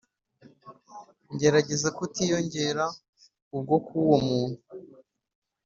ngerageza kutiyongera ibyokuuwo muntu